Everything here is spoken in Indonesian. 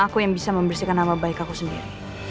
aku yang bisa membersihkan nama baik aku sendiri